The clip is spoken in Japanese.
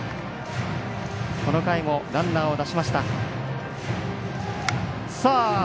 この回もランナーを出しました。